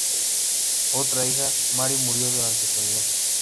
Otra hija, Mary, murió durante su niñez.